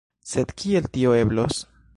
Sed kiel tio eblos?